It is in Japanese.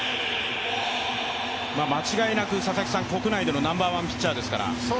間違いなく国内でのナンバーワンピッチャーですから。